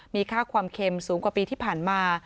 มีค่าความเค็มสูงกว่าปีที่ผ่านมา